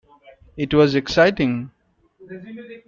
It was exciting.